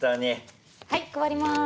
はい配ります。